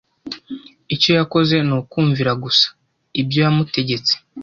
icyo yakoze ni ukumvira gusa ibyo yamutegetse